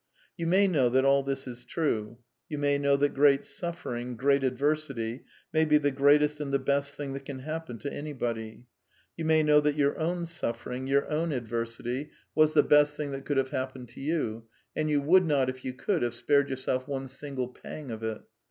You may know that all this is true. You may know that great suffering, great adversity, may be the greatest and the best thing that can happen to anybody. You may know that your own suffering, your own adversity was CONCLUSIONS 303 the best thing that could have happened to you; and you would not, if you could, have spared yourself one single pang of it.